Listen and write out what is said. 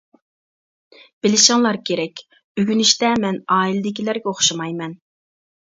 بىلىشىڭلار كېرەك، ئۆگىنىشتە مەن ئائىلىدىكىلەرگە ئوخشىمايمەن.